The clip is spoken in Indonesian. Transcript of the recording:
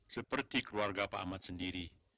seperti keluarga pak ahmad sendiri